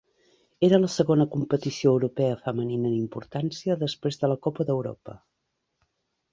Era la segona competició europea femenina en importància, després de la Copa d'Europa.